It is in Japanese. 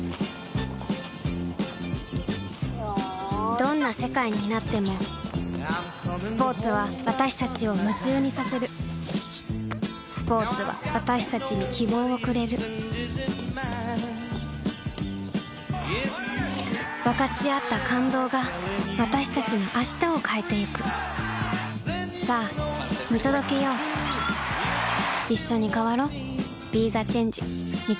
どんな世界になってもスポーツは私たちを夢中にさせるスポーツは私たちに希望をくれる分かち合った感動が私たちの明日を変えてゆくさあ見届けよういっしょに変わろう。